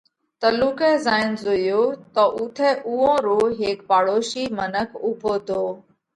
تلُوڪئہ زائينَ زويو تو اُوٿئہ اُوئون رو هيڪ پاڙوشي منک اُوڀو تو